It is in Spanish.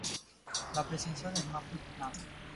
La princesa de Maple Land.